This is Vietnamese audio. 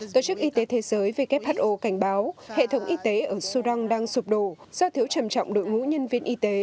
tổ chức y tế thế giới who cảnh báo hệ thống y tế ở sudan đang sụp đổ do thiếu trầm trọng đội ngũ nhân viên y tế